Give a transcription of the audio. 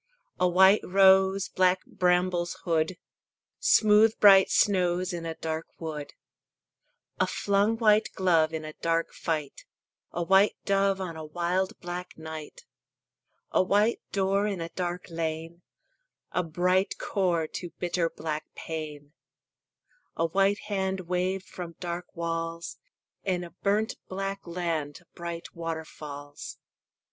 A white rose Black brambles hood; Smooth bright snows In a dark wood. A flung white glove In a dark fight; A white dove On a wild black night. A white door In a dark lane; A bright core To bitter black pain. A white hand Waved from dark walls; In a burnt black land Bright waterfalls.